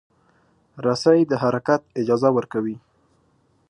رسۍ د حرکت اجازه ورکوي.